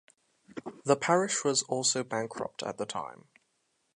The parish was also bankrupt at the time.